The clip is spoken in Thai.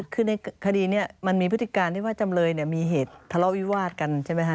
คือในคดีนี้มันมีพฤติการที่ว่าจำเลยมีเหตุทะเลาะวิวาดกันใช่ไหมฮะ